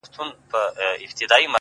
• دوکان دوک دی یا کان دی ,